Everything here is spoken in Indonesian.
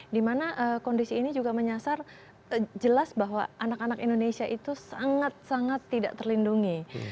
dimana kondisi ini juga menyasar jelas bahwa anak anak indonesia itu sangat sangat tidak terlindungi